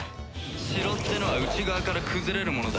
城ってのは内側から崩れるものだ。